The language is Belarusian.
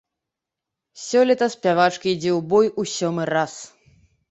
Сёлета спявачка ідзе ў бой у сёмы раз.